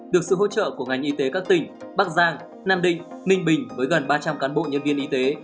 được sự hỗ trợ của ngành y tế các tỉnh bắc giang nam định ninh bình với gần ba trăm linh cán bộ nhân viên y tế